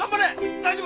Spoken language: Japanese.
大丈夫！